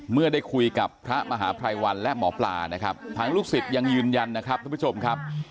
เมื่อได้คุยกับพระมหาภัยวันและหมอปลานะครับทางลูกศิษย์ยังยืนยันนะครับทุกผู้ชมครับ